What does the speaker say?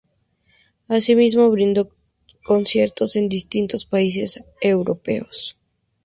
Asimismo brindó conciertos en distintos países europeos.